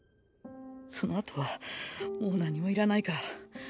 そのあとはもう何もいらないから。